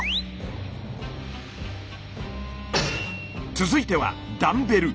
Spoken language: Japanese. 続いてはダンベル。